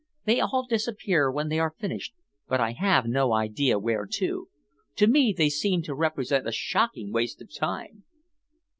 "They all disappear when they are finished, but I have no idea where to. To me they seem to represent a shocking waste of time."